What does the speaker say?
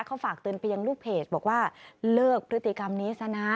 เขาฝากเตือนไปยังลูกเพจบอกว่าเลิกพฤติกรรมนี้ซะนะ